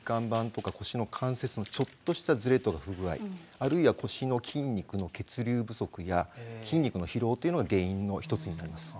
腰の関節にちょっとしたずれとか不具合、あるいは腰の筋肉の血流不足や筋肉の疲労が原因の１つになります。